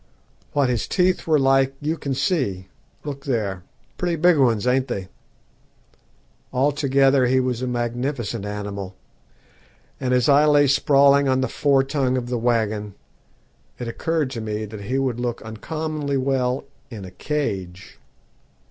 What his teeth were like you can see look there, pretty big ones, ain't they? Altogether he was a magnificent animal, and as I lay sprawling on the fore tongue of the waggon, it occurred to me that he would look uncommonly well in a cage.